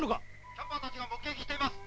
☎キャンパーたちが目撃しています。